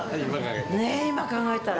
今考えたら。